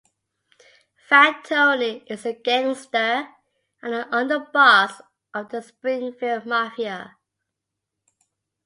Fat Tony is a gangster and the underboss of the Springfield Mafia.